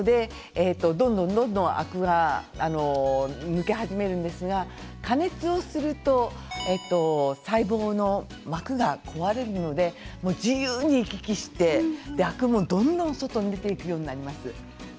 どんどんアクが抜け始めるんですが加熱をすると細胞の膜が壊れるので自由に行き来してアクもどんどん外に出ていくようになります。